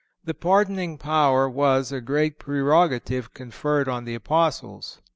The pardoning power was a great prerogative conferred on the Apostles.